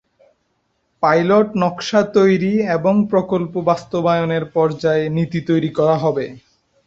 Pilot নকশা তৈরী এবং প্রকল্প বাস্তবায়নের পর্যায়ে নীতি তৈরি করা হবে।